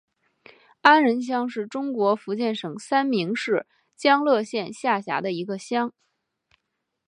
安仁乡是中国福建省三明市将乐县下辖的一个乡。